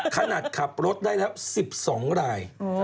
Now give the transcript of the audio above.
ขนาดขับรถได้๑๒ราย